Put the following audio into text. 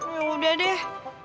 ya udah deh